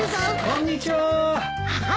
・・こんにちは！